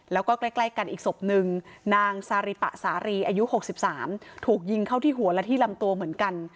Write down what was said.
แล้วก็ใกล้กันอีกศพนึงนางซาริปะสารีอายุ๖๓ถูกยิงเข้าที่หัวและที่ลำตัวเหมือนกัน